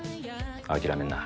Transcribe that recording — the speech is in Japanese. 諦めんな